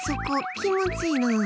気持ちいいな。